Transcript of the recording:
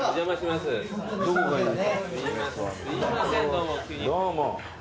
どうも。